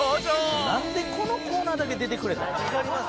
「なんでこのコーナーだけ出てくれたん？」